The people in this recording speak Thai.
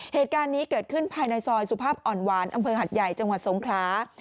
เหตุการณ์นี้เกิดขึ้นภายในซอยสุภาพอ่อนหวานอำเภอหัดใหญ่จังหวัดสงขลา